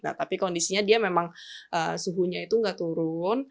nah tapi kondisinya dia memang suhunya itu nggak turun